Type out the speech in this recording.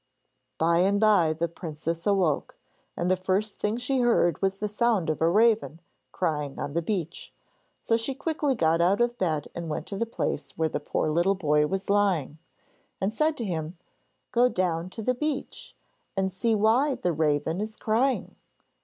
By and bye the princess awoke, and the first thing she heard was the sound of a raven crying on the beach. So she quickly got out of bed and went to the place where the poor little boy was lying, and said to him: 'Go down to the beach, and see why the raven is crying.'